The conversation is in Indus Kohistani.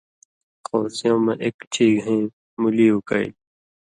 خو سېوں مہ اِک چئ گھَیں مولی اُکئیلیۡ۔